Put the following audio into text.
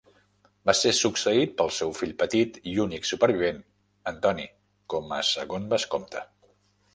Va ser succeït pel seu fill petit i únic supervivent, en Tony, com a segon vescomte.